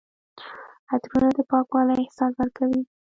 عطرونه د پاکوالي احساس ورکوي.